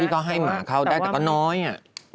พี่ก็ให้หมาเขาได้แต่ก็น้อยอ่ะ